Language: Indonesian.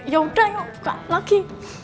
ya udah buka lagi